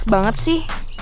males banget sih